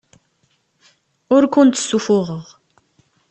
Ur kent-ssuffuɣeɣ.